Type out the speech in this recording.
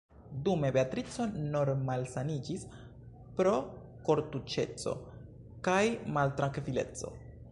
Dume Beatrico mortmalsaniĝis pro kortuŝeco kaj maltrankvileco.